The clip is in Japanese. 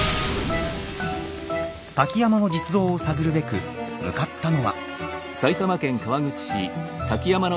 瀧山の実像を探るべく向かったのは。